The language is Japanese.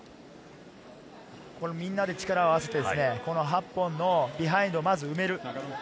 みんなで力を合わせて８本のビハインドをまず埋める。